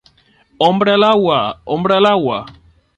¡ hombre al agua! ¡ hombre al agua!